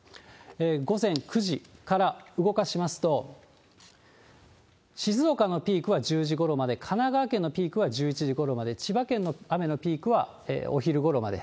午前９時から動かしますと、静岡のピークは１０時ごろまで、神奈川県のピークは１１時ごろまで、千葉県の雨のピークはお昼ごろまで。